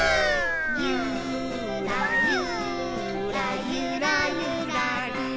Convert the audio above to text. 「ゆーらゆーらゆらゆらりー」